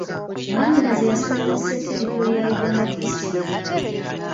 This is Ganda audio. Mwannyinaze yasomera mu ssettendekero ya Uganda Christian.